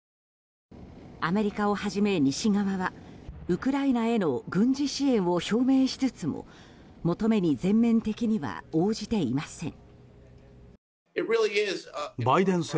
アメリカをはじめ西側はウクライナへの軍事支援を表明しつつも、求めに全面的には応じていません。